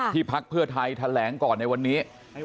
พักเพื่อไทยแถลงก่อนในวันนี้